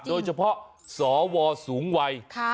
โดยเฉพาะสวสูงวัย